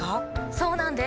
そうなんです。